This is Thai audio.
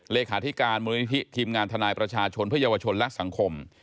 เลขาธิการมูลนิธิทีมงานทนายประชาชนเพื่อเยาวชนและสังคม